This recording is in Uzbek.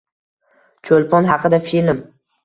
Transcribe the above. Cho‘lpon haqida film